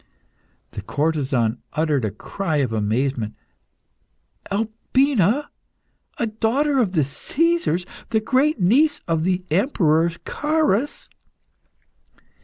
'" The courtesan uttered a cry of amazement. "Albina! a daughter of the Caesars! The great niece of the Emperor Carus!"